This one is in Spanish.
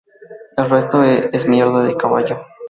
El resto es mierda de caballo.